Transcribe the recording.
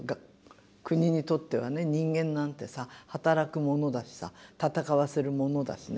国にとってはね人間なんてさ働く物だしさ戦わせる物だしね。